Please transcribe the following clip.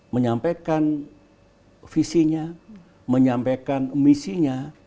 menyampaikan visinya menyampaikan misinya